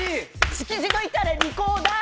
築地といったらリコーダー。